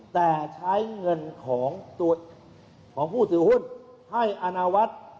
แต่ใช้เงินของผู้ถือหุ้นให้อนาวัฒน์